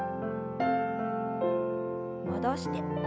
戻して。